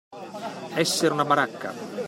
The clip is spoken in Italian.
Essere una baracca.